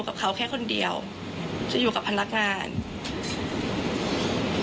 คุณภาคเองได้อธิบายไหมกับคุณภาค